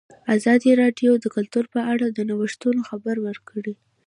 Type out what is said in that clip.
ازادي راډیو د کلتور په اړه د نوښتونو خبر ورکړی.